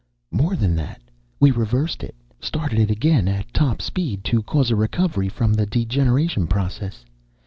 "More than that. We reversed it, started it again at top speed to cause a recovery from the degeneration process.